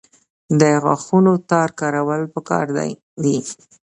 د غاښونو تار کارول پکار دي